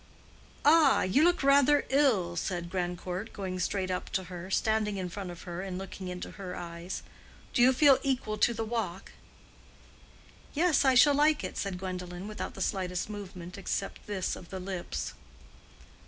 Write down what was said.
"A—you look rather ill," said Grandcourt, going straight up to her, standing in front of her, and looking into her eyes. "Do you feel equal to the walk?" "Yes, I shall like it," said Gwendolen, without the slightest movement except this of the lips.